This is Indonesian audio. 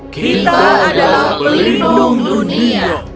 kita adalah pelindung dunia